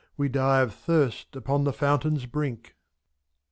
We die of thirst upon the fountain's brink.